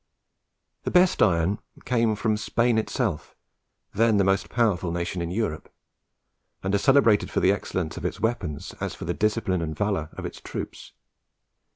The best iron came from Spain itself, then the most powerful nation in Europe, and as celebrated for the excellence of its weapons as for the discipline and valour of its troops.